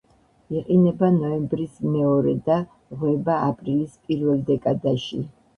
იყინება ნოემბრის მეორე და ლღვება აპრილი პირველ დეკადაში.